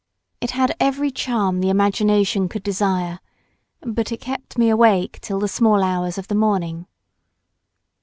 It had every charm the imagination could desire, but it kept me awake till the small hours of the morning.